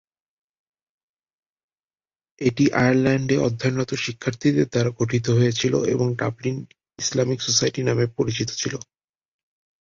এটি আয়ারল্যান্ডে অধ্যয়নরত শিক্ষার্থীদের দ্বারা গঠিত হয়েছিল এবং ডাবলিন ইসলামিক সোসাইটি নামে পরিচিত ছিল।